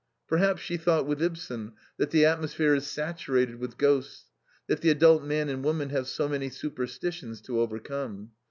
Perhaps she thought, with Ibsen, that the atmosphere is saturated with ghosts, that the adult man and woman have so many superstitions to overcome.